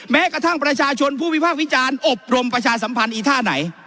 แม้กระทั่งประชาชนผู้วิพากษ์วิจารณ์อบรมประชาสัมพันธ์อีท่าไหน